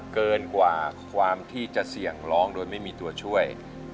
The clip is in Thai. เกินกว่าความที่จะเสี่ยงร้องโดยไม่มีตัวช่วย